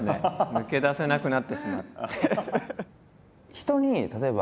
抜け出せなくなってしまって。